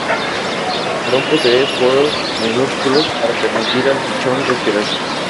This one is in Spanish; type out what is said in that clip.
El cascarón posee poros minúsculos para permitir al pichón respirar.